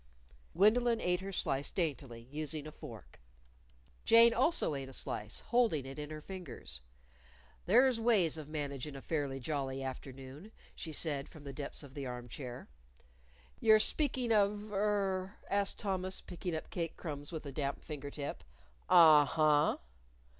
Gwendolyn ate her slice daintily, using a fork. Jane also ate a slice holding it in her fingers. "There's ways of managin' a fairly jolly afternoon," she said from the depths of the arm chair. "You're speakin' of er ?" asked Thomas, picking up cake crumbs with a damp finger tip. "Uh huh."